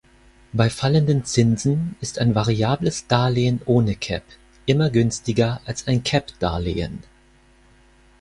Bei fallenden Zinsen ist ein variables Darlehen ohne Cap immer günstiger als ein Cap-Darlehen.